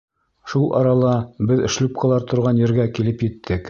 Шул арала беҙ шлюпкалар торған ергә килеп еттек.